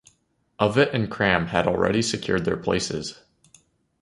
Ovett and Cram had already secured their places.